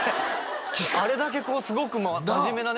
あれだけすごく真面目なね